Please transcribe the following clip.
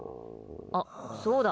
あっ、そうだ。